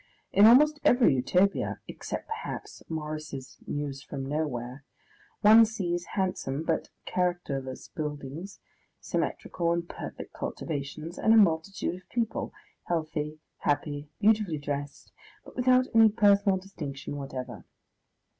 In almost every Utopia except, perhaps, Morris's "News from Nowhere" one sees handsome but characterless buildings, symmetrical and perfect cultivations, and a multitude of people, healthy, happy, beautifully dressed, but without any personal distinction whatever.